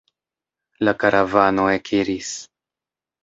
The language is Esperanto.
La karavano ekiris.